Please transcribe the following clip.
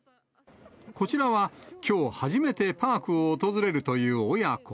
こちらは、きょう初めてパークを訪れるという親子。